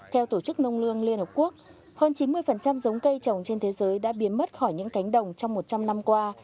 theo tổ chức nông lương liên hợp quốc hơn chín mươi giống cây trồng trên thế giới đã biến mất khỏi những cánh đồng trong một trăm linh năm qua